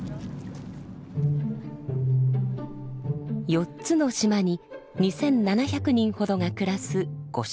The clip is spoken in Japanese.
４つの島に２，７００人ほどが暮らす御所浦地区。